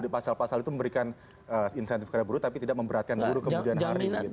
pasal pasal itu memberikan insentif kepada buruh tapi tidak memberatkan buruh kemudian hari